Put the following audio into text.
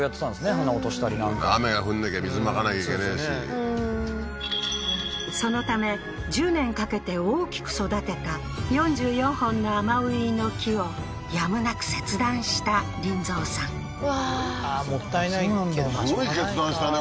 花を落としたりなんか雨が降んなきゃ水まかなきゃいけないしそのため１０年かけて大きく育てた４４本の甘うぃの木をやむなく切断した林三さんうわーもったいないけどしょうがないかすごい決断したね